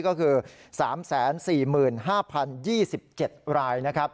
ก็คือ๓๔๕๐๒๗ราย